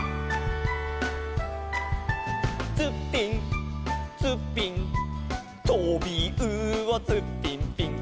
「ツッピンツッピン」「とびうおツッピンピン」